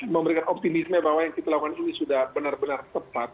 memberikan optimisme bahwa yang kita lakukan ini sudah benar benar tepat